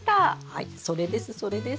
はいそれですそれです。